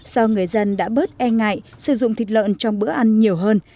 do người dân đã bớt e ngại sử dụng thịt lợn trong bữa ăn nhiều hơn